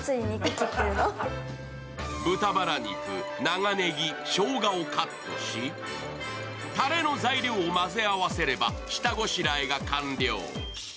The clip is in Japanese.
豚バラ肉、長ネギ、しょうがをカットしたれの材料を混ぜ合わせれば下ごしらえが完了。